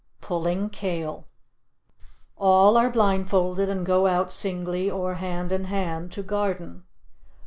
PULLING KALE All are blindfolded and go out singly or hand in hand to garden.